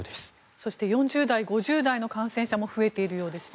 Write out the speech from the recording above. そして４０代、５０代の感染者も増えているようですね。